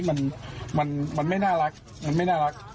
มันมันไม่น่ารักมันไม่น่ารัก